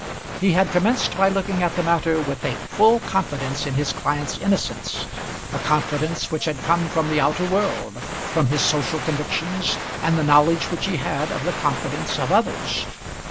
He had commenced by looking at the matter with a full confidence in his client's innocence, a confidence which had come from the outer world, from his social convictions, and the knowledge which he had of the confidence of others.